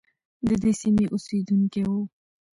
ددې سیمې اوسیدونکی وو.